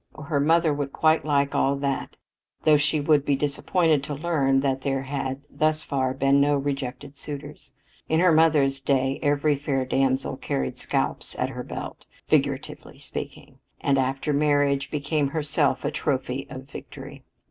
Oh, her mother would quite like all that, though she would be disappointed to learn that there had thus far been no rejected suitors. In her mother's day every fair damsel carried scalps at her belt, figuratively speaking and after marriage, became herself a trophy of victory.